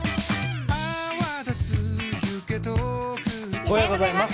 おはようございます。